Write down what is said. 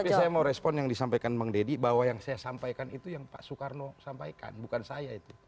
tapi saya mau respon yang disampaikan bang deddy bahwa yang saya sampaikan itu yang pak soekarno sampaikan bukan saya itu